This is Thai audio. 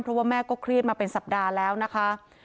เพราะว่าแม่ก็เครียดมาเป็นสัปดาห์แล้วนะคะ